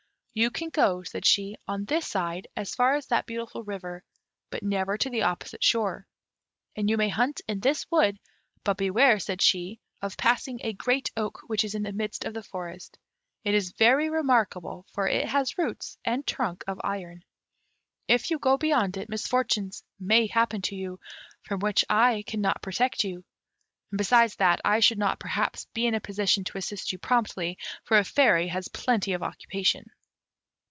"You can go," said she, "on this side as far as that beautiful river, but never to the opposite shore; and you may hunt in this wood; but beware," said she, "of passing a great oak, which is in the midst of the forest; it is very remarkable, for it has roots and trunk of iron. If you go beyond it, misfortunes may happen to you, from which I cannot protect you; and, besides that, I should not perhaps be in a position to assist you promptly, for a fairy has plenty of occupation."